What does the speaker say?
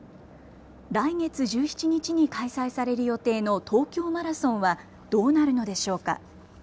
来月１７日に開催される予定の東京マラソンはどうなるのでしょうか。